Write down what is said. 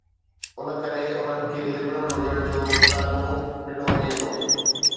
ان ڪري انهن کي لبرل هجڻ جو طعنو به ڏنو وڃي ٿو.